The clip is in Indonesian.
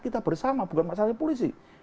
kita bersama bukan masalahnya polisi